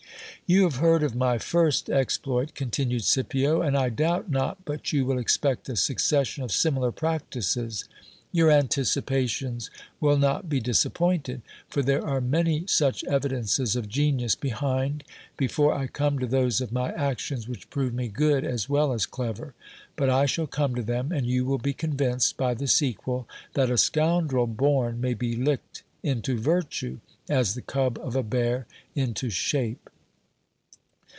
You have heard my first exploit, continued Scipio ; and I doubt not but you will expect a succession of similar practices. Your anticipations will not be disappointed ; for there are many such evidences of genius behind, before I come to those of my actions which prove me good as well as clever ; but I shall come to them, and you will be convinced by the sequel, that a scoundrel bom may be licked into virtue, as the cub of a bear into shape.